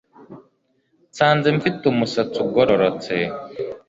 Nsanze mfite umusatsi ugororotse